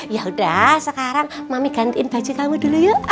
yaudah sekarang mami gantiin baju kamu dulu yuk